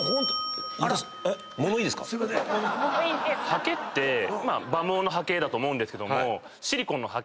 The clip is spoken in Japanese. はけって今馬毛のはけだと思うんですけども。